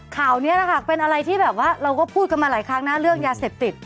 ข่าวนี้นะคะเป็นอะไรที่แบบว่าเราก็พูดกันมาหลายครั้งนะเรื่องยาเสพติด